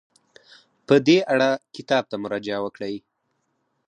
په دې اړه کتاب ته مراجعه وکړئ.